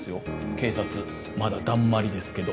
警察まだだんまりですけど。